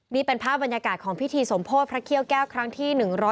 นี่เป็นภาพบรรยากาศของพิธีสมโพธิพระเขี้ยวแก้วครั้งที่๑๐